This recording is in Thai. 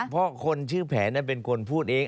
เพราะคนชื่อแผนนั้นเป็นคนพูดเอง